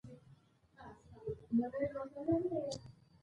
دومره لوړ سو چي له سترګو هم پناه سو